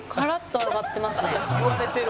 「言われてる」